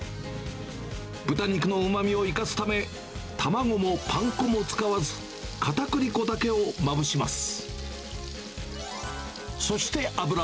豚肉のうまみを生かすため、卵もパン粉も使わず、かたくり粉だけをまぶします。